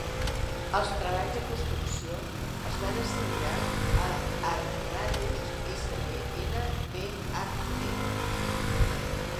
Els treballs de construcció es van assignar a ArcRadius Sdn Bhd.